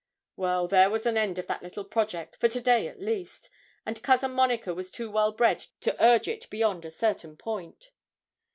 Well, there was an end of that little project, for to day at least; and Cousin Monica was too well bred to urge it beyond a certain point.